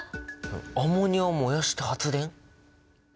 アンモニアを燃やして発電？